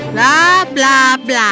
blah blah blah